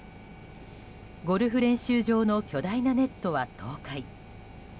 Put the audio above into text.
ゴルフ練習場の巨大なネットは倒壊。